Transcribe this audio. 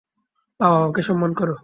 মা বাবাকে সম্মান করো।